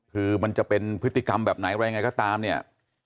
คือมันจะเป็นพฤติกรรมแบบไหนอะไรยังไงก็ตามเนี่ย